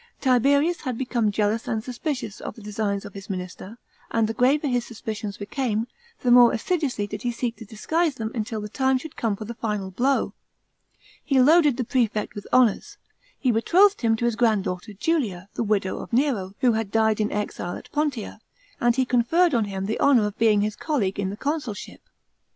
Tiberius had become jealous and suspicious of the designs of his minister ; and the graver his suspicions became, the more assiduously did he seek to disguise them until the time should come for the final blow. He loaded the prerect with honours. He betrothed him to his granddaughter Julia, the widow of Nero, who had died in exile at Pontia, and he conferred on him the honour of being his colleague in the consulship.